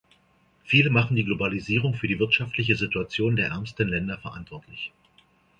Viele machen die Globalisierung für die wirtschaftliche Situation der ärmsten Länder verantwortlich.